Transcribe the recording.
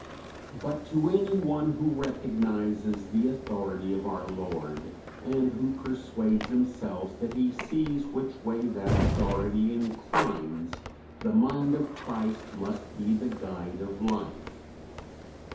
But to anyone who recognises the authority of our Lord, and who persuades himself that he sees which way that authority inclines, the mind of Christ must be the guide of life.